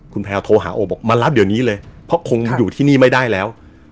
คุณแพลวโทรหาโอบอกมารับเดี๋ยวนี้เลยเพราะคงอยู่ที่นี่ไม่ได้แล้ว